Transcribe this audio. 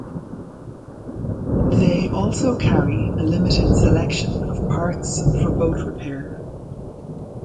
They also carry a limited selection of parts for boat repair.